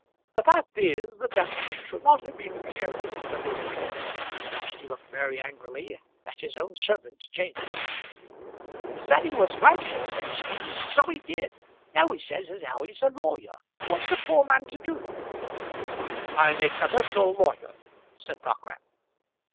"The fact is, the gentleman should not have been showed into the room at all;" and he looked very angrily at his own servant, James. "He said he was 'mercial," said James. "So he did. Now he says as how he's a lawyer. What's a poor man to do?" "I'm a commercial lawyer," said Dockwrath.